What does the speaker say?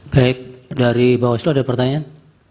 baik dari bawah situ ada pertanyaan